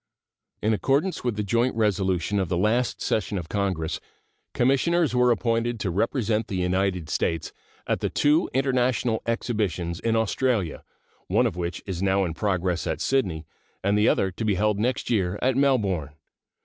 In accordance with the joint resolution of the last session of Congress, commissioners were appointed to represent the United States at the two international exhibitions in Australia, one of which is now in progress at Sydney, and the other to be held next year at Melbourne.